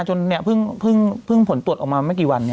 เพิ่งผลตรวจออกมาไม่กี่วัน